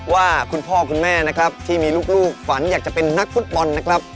ว่าคุณพ่อคุณแม่นะครับที่มีลูกฝันอยากจะเป็นนักฟุตบอลนะครับ